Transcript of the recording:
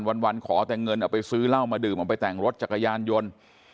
วันขอแต่เงินเอาไปซื้อเหล้ามาดื่มเอาไปแต่งรถจักรยานยนต์